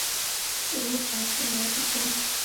ورور ته تل لاس ورکوې.